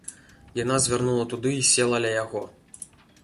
Яна звярнула туды і села ля яго.